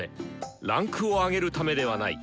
位階を上げるためではない。